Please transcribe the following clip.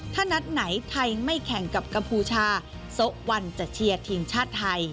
ถ้านัดไหนไทยไม่แข่งกับกัมพูชาโซะวันจะเชียร์ทีมชาติไทย